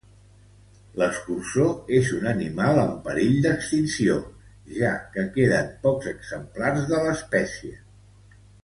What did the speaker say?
L'escurçó és un animal en perill d'extinció, ja que queden pocs exemplars de l'espècie.